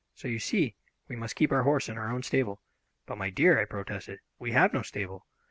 So, you see, we must keep our horse in our own stable." "But, my dear," I protested, "we have no stable."